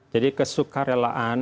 jadi kesuka relaan